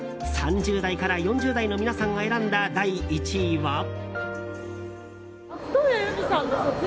３０代から４０代の皆さんが選んだ第１位は。